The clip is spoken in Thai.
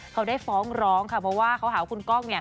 เขาได้ฟ้องร้องค่ะเพราะว่าเขาหาว่าคุณก้อง